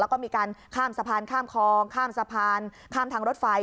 แล้วก็มีการข้ามสะพานข้ามคลองข้ามสะพานข้ามทางรถไฟ